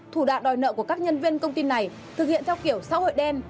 thủ đoạn đòi nợ của các nhân viên công ty này thực hiện theo kiểu xã hội đen